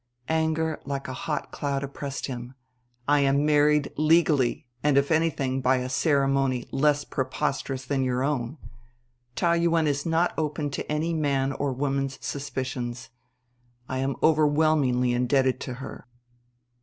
Anger like a hot cloud oppressed him. "I am married legally and, if anything, by a ceremony less preposterous than your own. Taou Yuen is not open to any man or woman's suspicions. I am overwhelmingly indebted to her."